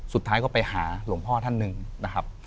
สุดท้ายก็ไปหาหลวงพ่อท่านหนึ่งนะครับ